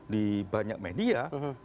di banyak media